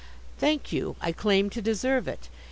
'Thank you. I claim to deserve it.